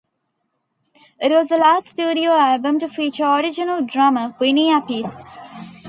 It was the last studio album to feature original drummer Vinny Appice.